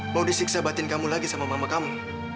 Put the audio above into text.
mau disiksa batin kamu lagi sama mama kamu